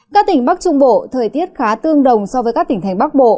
các tỉnh bắc trung bộ thời tiết khá tương đồng so với các tỉnh thành bắc bộ